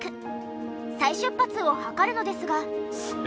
再出発を図るのですが。